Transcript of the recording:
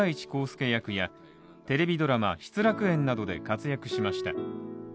助役やテレビドラマ「失楽園」などで活躍しました。